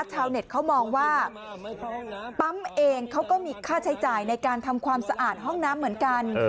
ชาวเน็ตเขามองว่าปั๊มเองเขาก็มีค่าใช้จ่ายในการทำความสะอาดห้องน้ำเหมือนกัน